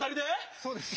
そうですよ。